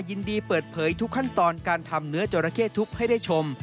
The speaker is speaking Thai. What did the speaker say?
ยินดีเปิดเผยทุกขั้นตอนการทำเนื้อจราเข้ทุกข์ให้ได้ชม